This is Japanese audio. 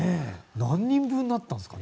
何人分になったんですかね？